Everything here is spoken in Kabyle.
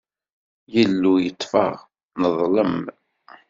Illu yeṭṭef-aɣ, neḍlem.